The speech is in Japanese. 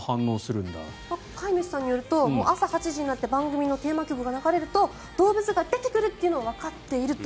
飼い主さんによると朝８時になって番組のテーマ曲が流れると動物が出てくるというのをわかっていると。